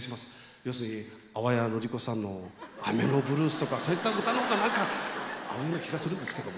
要するに淡谷のり子さんの「雨のブルース」とかそういった歌の方が何か合うような気がするんですけども。